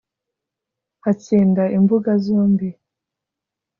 atsinda imbuga zombi